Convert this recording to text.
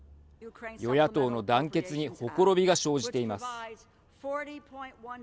与野党の団結にほころびが生じています。